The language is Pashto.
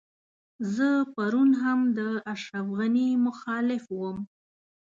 زه پرون هم د اشرف غني مخالف وم.